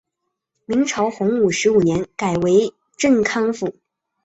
明朝洪武十五年改为镇康府。